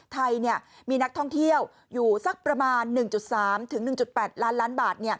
ไทยมีนักท่องเที่ยวอยู่สักประมาณ๑๓๑๘ล้านล้านบาท